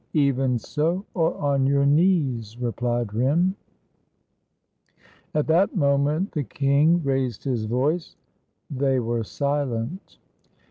"Even so, or on your knees," replied Rym. At that moment the king raised his voice. They were silent.